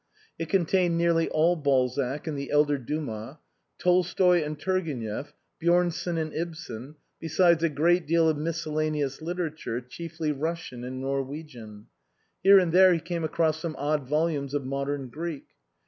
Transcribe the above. It contained nearly all Balzac and the elder Dumas, Tolstoi and Turgenieff, Bjornsen and Ibsen, besides a great deal of miscellaneous literature, chiefly Russian and Norwegian. Here and there he came across some odd volumes of modern Greek.